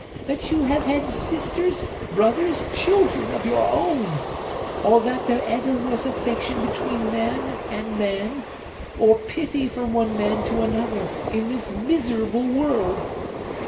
—that you have had sisters, brothers, children of your own!—or that there ever was affection between man and man, or pity from one man to another, in this miserable world!